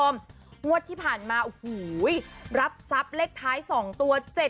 มวดที่ผ่านมารับทรัพย์เล็กท้าย๒ตัว๗๑